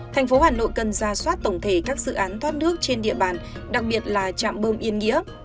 thành phố hà nội cần ra soát tổng thể các dự án thoát nước trên địa bàn đặc biệt là trạm bơm yên nghĩa